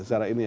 secara ini ya